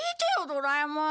ドラえもん。